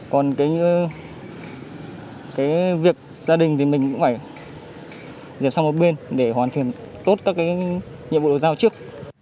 còn cái việc gia đình thì mình cũng phải dẹp sang một bên để hoàn thiện tốt các cái nhiệm vụ được giao trước